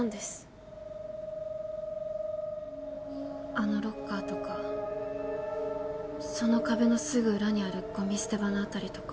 あのロッカーとかその壁のすぐ裏にあるごみ捨て場の辺りとか。